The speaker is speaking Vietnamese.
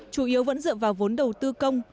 chủ yếu vẫn dựa vào vốn đầu tư công